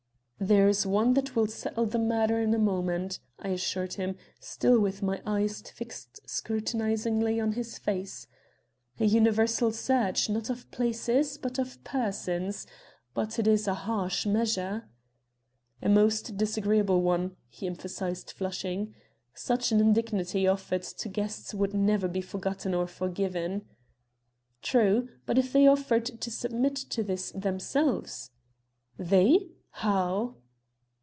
"There is one that will settle the matter in a moment," I assured him, still with my eyes fixed scrutinizingly on his face, "a universal search, not of places, but of persons. But it is a harsh measure." "A most disagreeable one," he emphasized, flushing. "Such an indignity offered to guests would never be forgotten or forgiven." "True, but if they offered to submit to this themselves?" "They? How?"